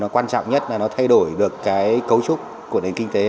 quan trọng nhất là nó thay đổi được cái cấu trúc của nền kinh tế